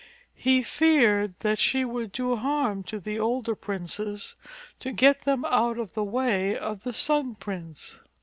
He feared that she would do harm to the older princes to get them out of the way of the Sun Prince.